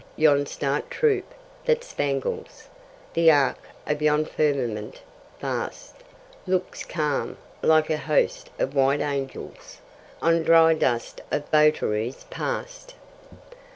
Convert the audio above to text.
yon star troop that spangles The arch of yon firmament vast Looks calm, like a host of white angels On dry dust of votaries past.